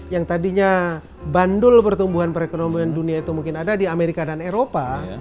yang tadinya bandul pertumbuhan perekonomian dunia itu mungkin ada di amerika dan eropa